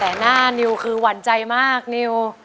แต่หน้านิวคือหวั่นใจมากนิว